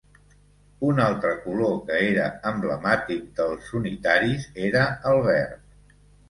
Un altre color que era emblemàtic dels unitaris era el verd.